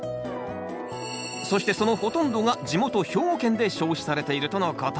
そしてそのほとんどが地元兵庫県で消費されているとのこと。